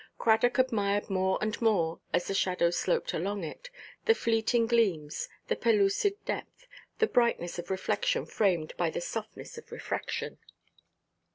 Cradock admired more and more, as the shadows sloped along it, the fleeting gleams, the pellucid depth, the brightness of reflection framed by the softness of refraction.